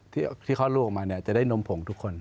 ที่คลอดลูกออกมาเนี่ยจะได้นมผงทุกคน